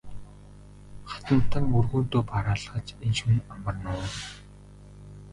Хатантан өргөөндөө бараалхаж энэ шөнө амарна уу?